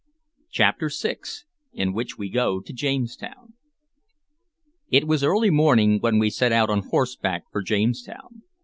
CHAPTER VI IN WHICH WE GO TO JAMESTOWN IT was early morning when we set out on horseback for Jamestown.